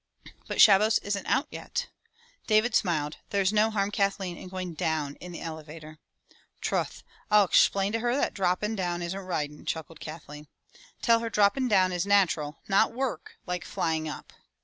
"But Shabbos isn't out yet!" David smiled, *' There's no harm, Kathleen, in going down in the elevator." Troth, I'll egshplain to her that droppin'down isn't ridin,' " chuckled Kathleen. "Tell her dropping down is natural not work like flying up."